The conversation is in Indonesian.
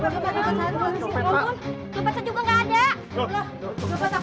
di dompet saya juga nggak ada